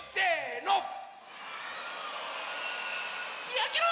やけろ！